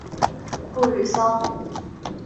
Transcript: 布吕桑。